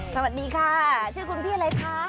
สวัสดีค่ะชื่อคุณพี่อะไรคะ